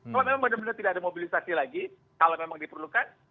kalau memang benar benar tidak ada mobilisasi lagi kalau memang diperlukan